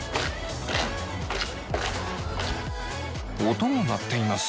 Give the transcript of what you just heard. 音が鳴っています。